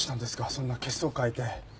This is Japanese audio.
そんな血相変えて。